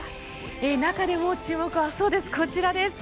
中でも注目はそうです、こちらです。